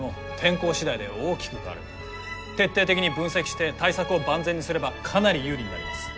徹底的に分析して対策を万全にすればかなり有利になります。